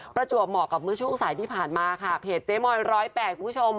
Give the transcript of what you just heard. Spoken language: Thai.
ประจวบเหมาะกับเมื่อช่วงสายที่ผ่านมาค่ะเพจเจ๊มอย๑๐๘คุณผู้ชม